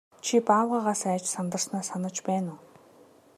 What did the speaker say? Чи баавгайгаас айж сандарснаа санаж байна уу?